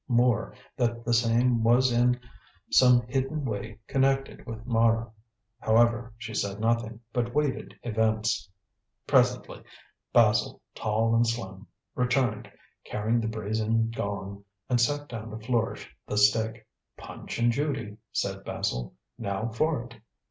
More, that the same was in some hidden way connected with Mara. However, she said nothing, but waited events. Presently Basil, tall and slim, returned, carrying the brazen gong and sat down to flourish the stick. "Punch and Judy," said Basil; "now for it."